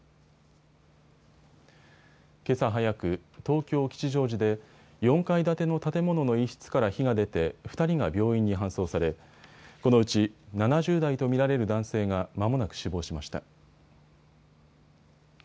けさ早く、東京吉祥寺で４階建ての建物の一室から火が出て、２人が病院に搬送されこのうち７０代と見られる男性がまもなく死亡しました。